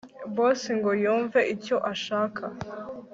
bosss ngo yumve icyo ashaka